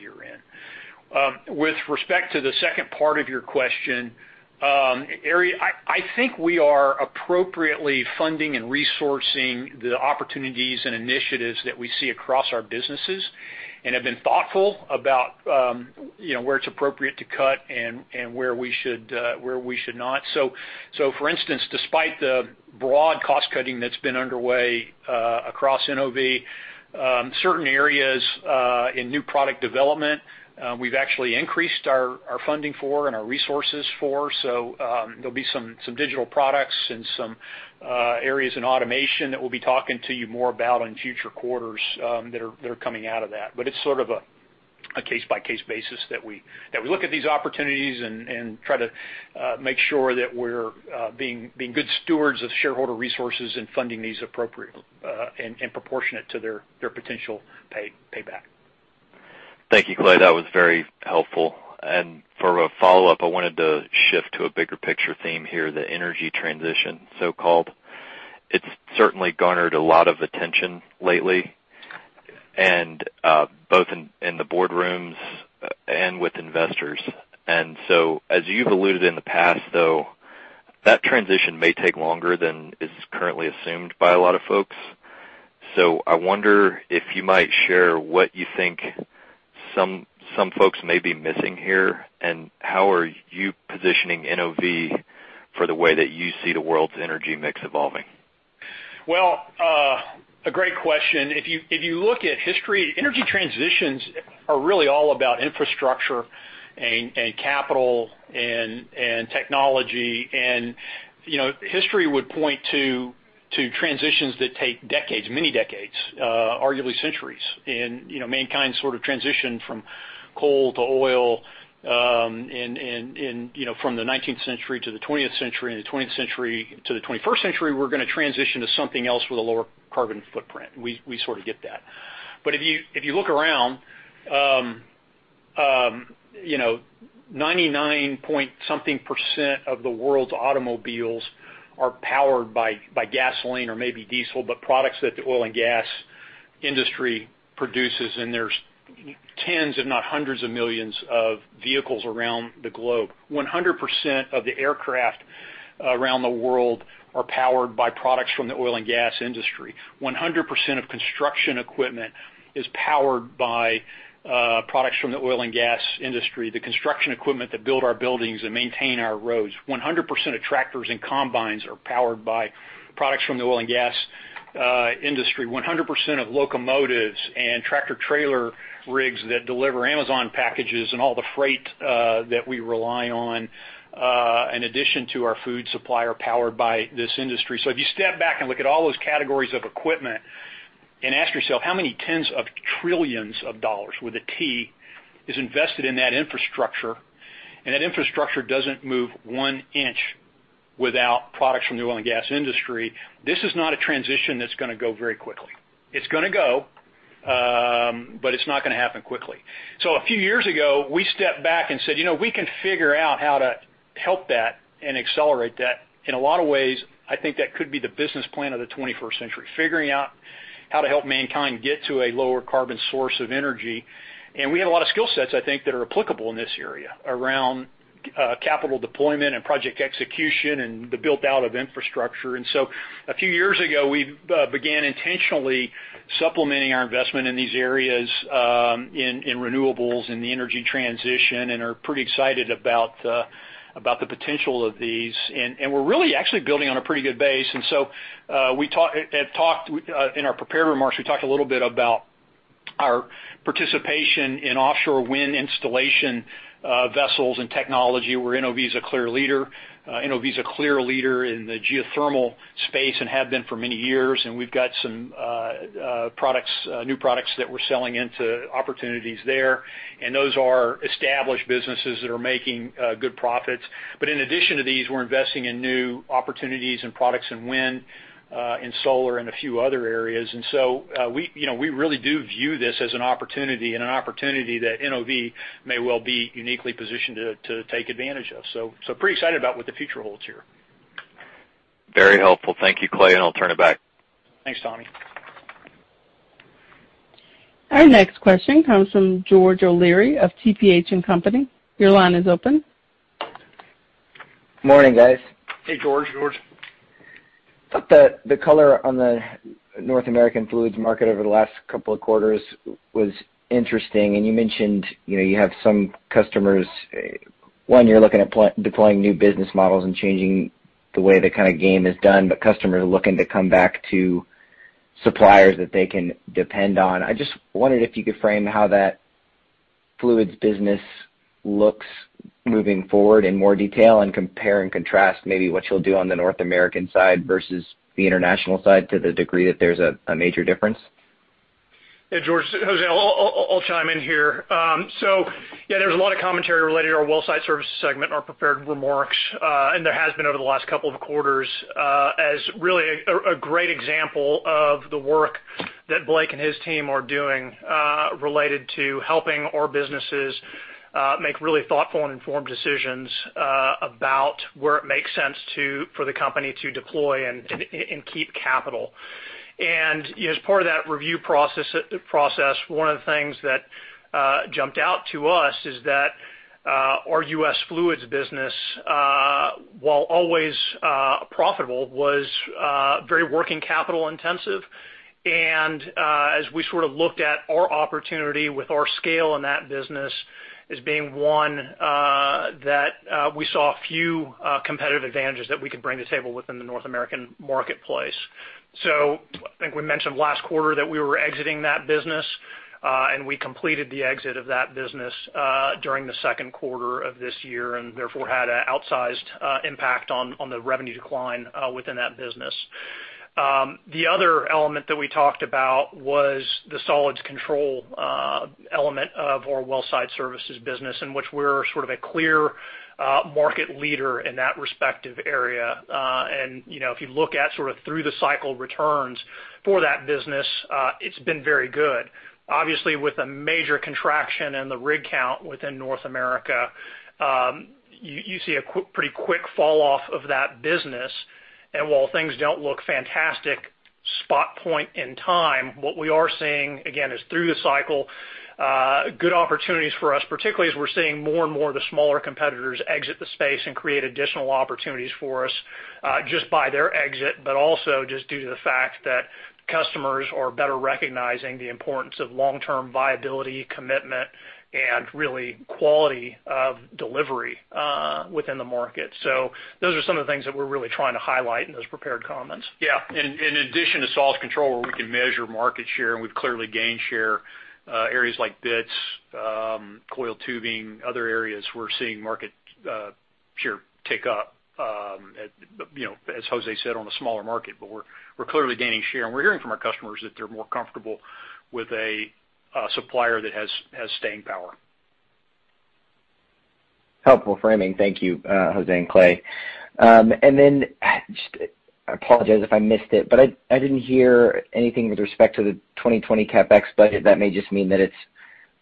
year-end. With respect to the second part of your question, I think we are appropriately funding and resourcing the opportunities and initiatives that we see across our businesses and have been thoughtful about where it's appropriate to cut and where we should not. For instance, despite the broad cost-cutting that's been underway across NOV, certain areas in new product development we've actually increased our funding for and our resources for. There'll be some digital products and some areas in automation that we'll be talking to you more about in future quarters that are coming out of that. It's sort of a case-by-case basis that we look at these opportunities and try to make sure that we're being good stewards of shareholder resources and funding these appropriately and proportionate to their potential payback. Thank you, Clay. That was very helpful. For a follow-up, I wanted to shift to a bigger picture theme here, the energy transition, so-called. It's certainly garnered a lot of attention lately, both in the boardrooms and with investors. As you've alluded in the past, though, that transition may take longer than is currently assumed by a lot of folks. I wonder if you might share what you think some folks may be missing here, and how are you positioning NOV for the way that you see the world's energy mix evolving? Well, a great question. If you look at history, energy transitions are really all about infrastructure and capital and technology. History would point to transitions that take decades, many decades, arguably centuries. Mankind sort of transitioned from coal to oil from the 19th century to the 20th century, and the 20th century to the 21st century, we're going to transition to something else with a lower carbon footprint. We sort of get that. If you look around, 99 point something % of the world's automobiles are powered by gasoline or maybe diesel, but products that the oil and gas industry produces, and there's tens, if not hundreds of millions of vehicles around the globe. 100% of the aircraft around the world are powered by products from the oil and gas industry. 100% of construction equipment is powered by products from the oil and gas industry, the construction equipment that build our buildings and maintain our roads. 100% of tractors and combines are powered by products from the oil and gas industry. 100% of locomotives and tractor-trailer rigs that deliver Amazon packages and all the freight that we rely on, in addition to our food supply, are powered by this industry. If you step back and look at all those categories of equipment and ask yourself how many tens of trillions of dollars, with a T, is invested in that infrastructure, and that infrastructure doesn't move one inch without products from the oil and gas industry. This is not a transition that's going to go very quickly. It's going to go, but it's not going to happen quickly. A few years ago, we stepped back and said, we can figure out how to help that and accelerate that. In a lot of ways, I think that could be the business plan of the 21st century, figuring out how to help mankind get to a lower carbon source of energy. We have a lot of skill sets, I think, that are applicable in this area around capital deployment and project execution and the build-out of infrastructure. A few years ago, we began intentionally supplementing our investment in these areas, in renewables, in the energy transition, and are pretty excited about the potential of these. We're really actually building on a pretty good base. In our prepared remarks, we talked a little bit about our participation in offshore wind installation vessels and technology, where NOV is a clear leader. NOV is a clear leader in the geothermal space and have been for many years. We've got some new products that we're selling into opportunities there. Those are established businesses that are making good profits. In addition to these, we're investing in new opportunities and products in wind and solar and a few other areas. We really do view this as an opportunity, and an opportunity that NOV may well be uniquely positioned to take advantage of. Pretty excited about what the future holds here. Very helpful. Thank you, Clay. I'll turn it back. Thanks, Tommy. Our next question comes from George O'Leary of TPH & Co.. Your line is open. Morning, guys. Hey, George. George. Thought that the color on the North American fluids market over the last couple of quarters was interesting. You mentioned you have some customers, one you're looking at deploying new business models and changing the way the kind of game is done, customers are looking to come back to suppliers that they can depend on. I just wondered if you could frame how that fluids business looks moving forward in more detail and compare and contrast maybe what you'll do on the North American side versus the international side to the degree that there's a major difference. Hey, George. Jose, I'll chime in here. Yeah, there was a lot of commentary related to our WellSite Services segment in our prepared remarks. There has been over the last couple of quarters as really a great example of the work that Blake and his team are doing related to helping our businesses make really thoughtful and informed decisions about where it makes sense for the company to deploy and keep capital. As part of that review process, one of the things that jumped out to us is that our U.S. fluids business, while always profitable, was very working capital intensive. As we sort of looked at our opportunity with our scale in that business as being one that we saw few competitive advantages that we could bring to the table within the North American marketplace. I think we mentioned last quarter that we were exiting that business. We completed the exit of that business during the second quarter of this year and therefore had an outsized impact on the revenue decline within that business. The other element that we talked about was the solids control element of our WellSite Services business, in which we're sort of a clear market leader in that respective area. If you look at sort of through the cycle returns for that business, it's been very good. Obviously, with a major contraction in the rig count within North America, you see a pretty quick fall off of that business. While things don't look fantastic spot point in time, what we are seeing, again, is through the cycle, good opportunities for us, particularly as we're seeing more and more of the smaller competitors exit the space and create additional opportunities for us just by their exit, but also just due to the fact that customers are better recognizing the importance of long-term viability, commitment, and really quality of delivery within the market. Those are some of the things that we're really trying to highlight in those prepared comments. Yeah. In addition to solids control where we can measure market share, and we've clearly gained share, areas like bits, coiled tubing, other areas we're seeing market share tick up. As Jose said, on a smaller market, but we're clearly gaining share, and we're hearing from our customers that they're more comfortable with a supplier that has staying power. Helpful framing. Thank you, Jose and Clay. I apologize if I missed it, but I didn't hear anything with respect to the 2020 CapEx budget. That may just mean that it's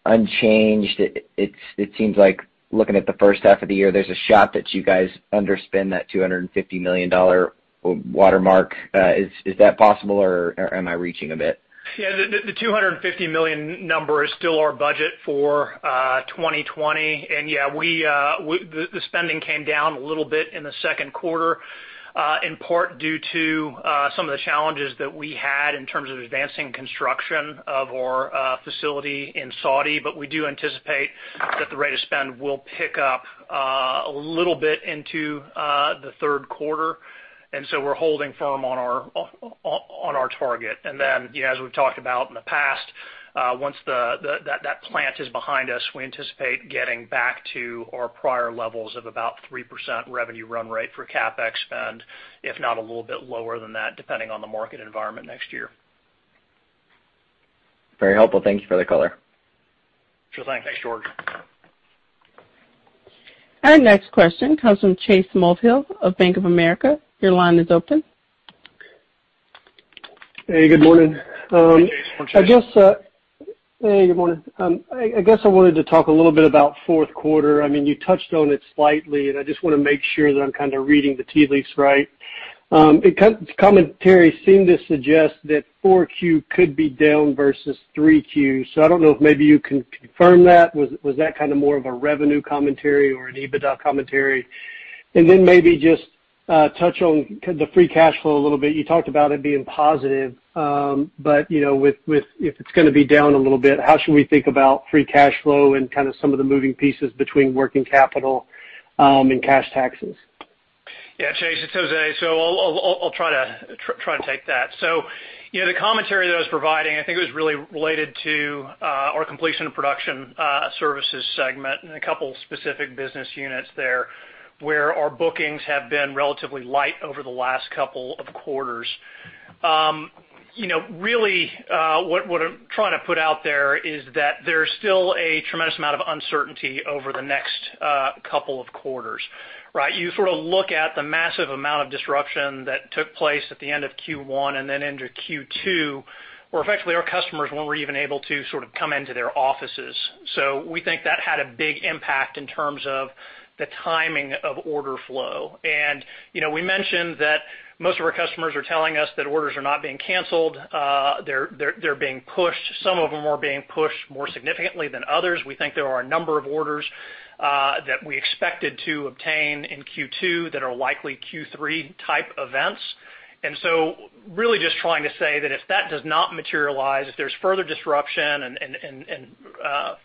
unchanged. It seems like looking at the first half of the year, there's a shot that you guys underspend that $250 million watermark. Is that possible, or am I reaching a bit? Yeah. The $250 million number is still our budget for 2020. The spending came down a little bit in the second quarter, in part due to some of the challenges that we had in terms of advancing construction of our facility in Saudi. We do anticipate that the rate of spend will pick up a little bit into the third quarter, we're holding firm on our target. As we've talked about in the past, once that plant is behind us, we anticipate getting back to our prior levels of about 3% revenue run rate for CapEx spend, if not a little bit lower than that, depending on the market environment next year. Very helpful. Thank you for the color. Sure thing. Thanks, George. Our next question comes from Chase Mulvehill of Bank of America. Your line is open. Hey, good morning. Hi, Chase. How are you? Hey, good morning. I guess I wanted to talk a little bit about fourth quarter. You touched on it slightly, and I just want to make sure that I'm kind of reading the tea leaves right. Commentary seemed to suggest that 4Q could be down versus 3Q. I don't know if maybe you can confirm that. Was that kind of more of a revenue commentary or an EBITDA commentary? Then maybe just touch on the free cash flow a little bit. You talked about it being positive, but if it's going to be down a little bit, how should we think about free cash flow and kind of some of the moving pieces between working capital and cash taxes? Yeah, Chase, it's Jose. I'll try and take that. The commentary that I was providing, I think it was really related to our Completion of Production services segment and a couple specific business units there, where our bookings have been relatively light over the last couple of quarters. Really, what I'm trying to put out there is that there's still a tremendous amount of uncertainty over the next couple of quarters. Right? You sort of look at the massive amount of disruption that took place at the end of Q1 and then into Q2, where effectively our customers weren't even able to sort of come into their offices. We think that had a big impact in terms of the timing of order flow. We mentioned that most of our customers are telling us that orders are not being canceled. They're being pushed. Some of them are being pushed more significantly than others. We think there are a number of orders that we expected to obtain in Q2 that are likely Q3 type events. Really just trying to say that if that does not materialize, if there is further disruption and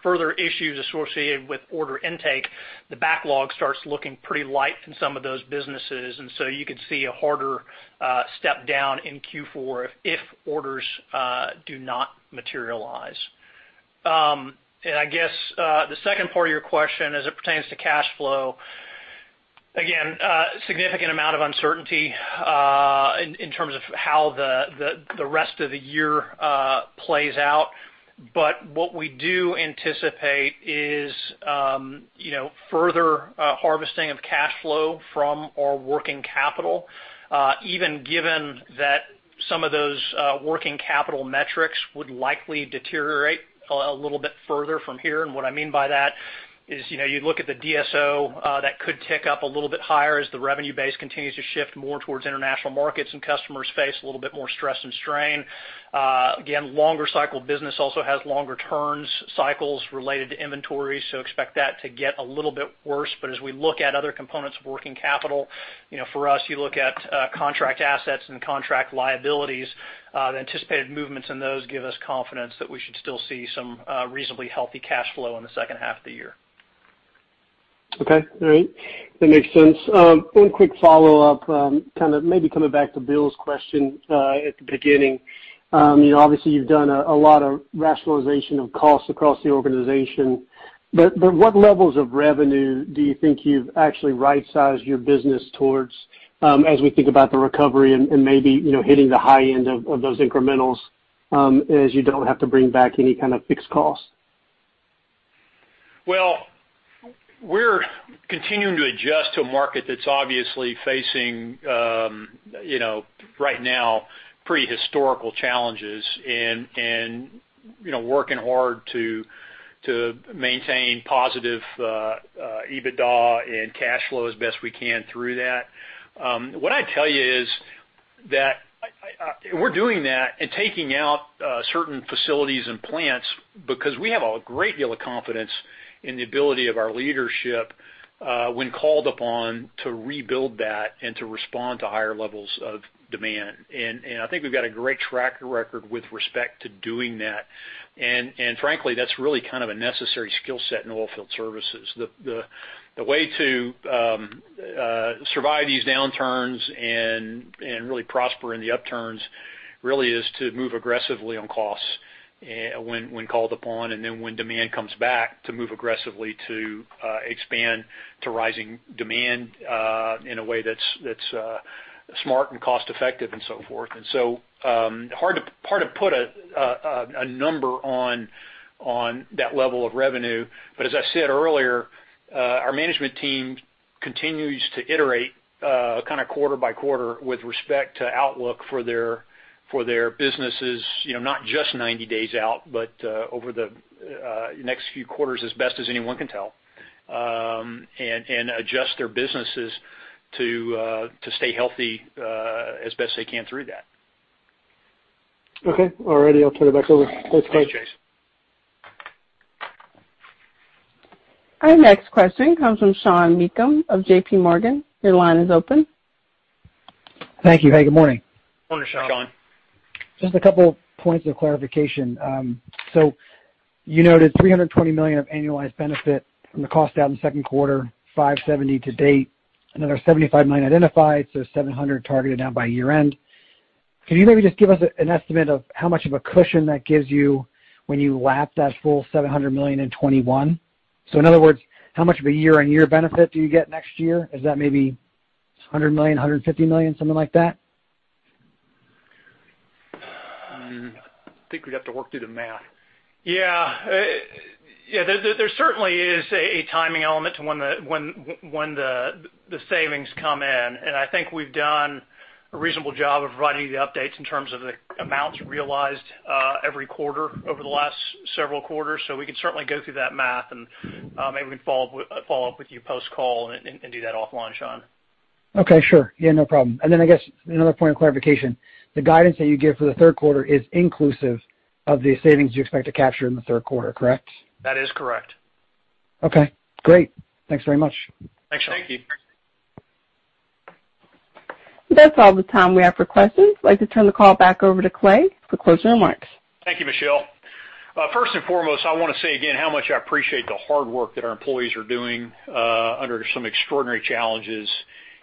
further issues associated with order intake, the backlog starts looking pretty light in some of those businesses. You could see a harder step down in Q4 if orders do not materialize. I guess the second part of your question as it pertains to cash flow, again, significant amount of uncertainty in terms of how the rest of the year plays out. What we do anticipate is further harvesting of cash flow from our working capital even given that some of those working capital metrics would likely deteriorate a little bit further from here. What I mean by that is you look at the DSO that could tick up a little bit higher as the revenue base continues to shift more towards international markets and customers face a little bit more stress and strain. Again, longer cycle business also has longer turns cycles related to inventory, so expect that to get a little bit worse. As we look at other components of working capital, for us, you look at contract assets and contract liabilities the anticipated movements in those give us confidence that we should still see some reasonably healthy cash flow in the second half of the year. Okay. All right. That makes sense. One quick follow-up kind of maybe coming back to Bill's question at the beginning. Obviously you have done a lot of rationalization of costs across the organization, what levels of revenue do you think you have actually right-sized your business towards as we think about the recovery and maybe hitting the high end of those incrementals as you do not have to bring back any kind of fixed cost? Well, we are continuing to adjust to a market that is obviously facing right now pretty historical challenges and working hard to maintain positive EBITDA and cash flow as best we can through that. What I would tell you is that we are doing that and taking out certain facilities and plants because we have a great deal of confidence in the ability of our leadership when called upon to rebuild that and to respond to higher levels of demand. I think we have got a great track record with respect to doing that. Frankly, that is really kind of a necessary skill set in oilfield services. The way to survive these downturns and really prosper in the upturns Really is to move aggressively on costs when called upon, when demand comes back, to move aggressively to expand to rising demand in a way that is smart and cost-effective and so forth. Hard to put a number on that level of revenue. As I said earlier, our management team continues to iterate kind of quarter by quarter with respect to outlook for their businesses, not just 90 days out, but over the next few quarters, as best as anyone can tell, and adjust their businesses to stay healthy as best they can through that. Okay. All righty. I'll turn it back over. Thanks, Clay. Thanks, Chase. Our next question comes from Sean Meakim of J.P. Morgan. Your line is open. Thank you. Hey, good morning. Morning, Sean. Just a couple points of clarification. You noted $320 million of annualized benefit from the cost down in second quarter, $570 million to date, another $75 million identified, $700 million targeted now by year-end. Can you maybe just give us an estimate of how much of a cushion that gives you when you lap that full $700 million in 2021? In other words, how much of a year-on-year benefit do you get next year? Is that maybe $100 million, $150 million, something like that? I think we'd have to work through the math. Yeah. There certainly is a timing element to when the savings come in, and I think we've done a reasonable job of providing you the updates in terms of the amounts realized every quarter over the last several quarters. We can certainly go through that math, and maybe we can follow up with you post-call and do that offline, Sean. Okay. Sure. Yeah, no problem. I guess another point of clarification, the guidance that you give for the third quarter is inclusive of the savings you expect to capture in the third quarter, correct? That is correct. Okay, great. Thanks very much. Thanks, Sean. Thank you. That's all the time we have for questions. I'd like to turn the call back over to Clay for closing remarks. Thank you, Michelle. First and foremost, I want to say again how much I appreciate the hard work that our employees are doing under some extraordinary challenges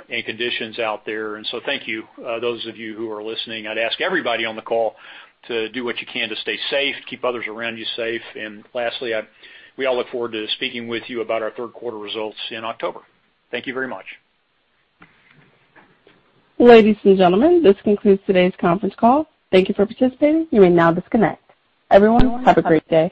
and conditions out there. Thank you, those of you who are listening. I'd ask everybody on the call to do what you can to stay safe, keep others around you safe. Lastly, we all look forward to speaking with you about our third quarter results in October. Thank you very much. Ladies and gentlemen, this concludes today's conference call. Thank you for participating. You may now disconnect. Everyone, have a great day